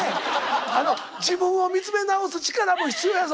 自分を見つめ直す力も必要やぞ。